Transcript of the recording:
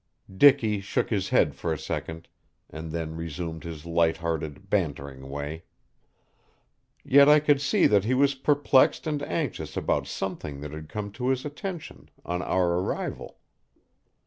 Dicky shook his head for a second, and then resumed his light hearted, bantering way. Yet I could see that he was perplexed and anxious about something that had come to his attention on our arrival.